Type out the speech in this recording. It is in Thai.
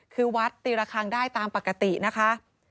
คือวัดตีระคังได้ตามปกตินะคะ